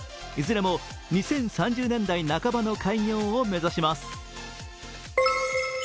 いずれも２０３０年代半ばの開業を目指します